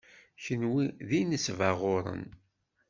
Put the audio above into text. Kenwi d inesbaɣuren.